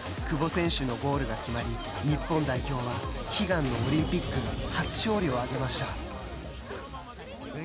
久保選手のゴールが決まり日本代表は悲願のオリンピック初勝利を上げました。